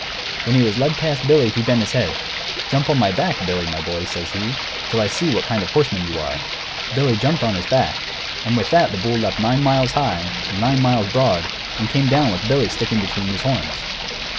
When he was led past Billy he bent his head. "Jump on my back, Billy, my boy," says he, "till I see what kind of a horseman you are!" Billy jumped on his back, and with that the bull leaped nine miles high and nine miles broad and came down with Billy sticking between his horns.